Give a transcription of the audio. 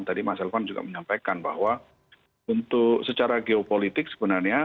tadi mas elvan juga menyampaikan bahwa untuk secara geopolitik sebenarnya